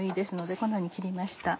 こんなふうに切りました。